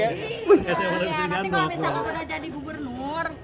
nanti kalau misalnya udah jadi gubernur